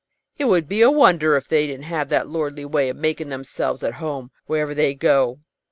It would be a wonder if they didn't have that lordly way of making themselves at home wherever they go."